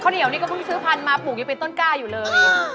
เหนียวนี่ก็เพิ่งซื้อพันธุ์มาปลูกยังเป็นต้นกล้าอยู่เลย